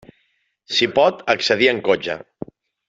S'hi pot accedir en cotxe.